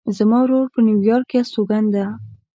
زما ورور په نیویارک کې استوګن ده